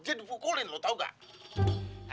dia dipukulin loh tau gak